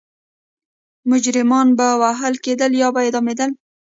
مجرمان به وهل کېدل یا به اعدامېدل.